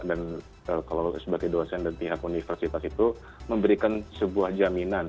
dan kalau sebagai dosen dan pihak universitas itu memberikan sebuah jaminan